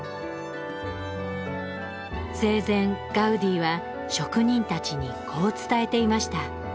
生前ガウディは職人たちにこう伝えていました。